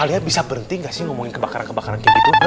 kalian bisa berhenti gak sih ngomongin kebakaran kebakaran kayak gitu